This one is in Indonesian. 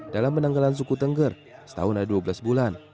dalam penanggalan suku tengger setahun ada dua belas bulan